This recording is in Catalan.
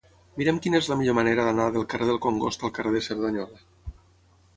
Mira'm quina és la millor manera d'anar del carrer del Congost al carrer de Cerdanyola.